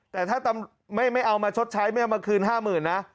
แต่ถ้าไม่เอามาชดใช้ไม่เอามาคืน๕๐๐๐นะ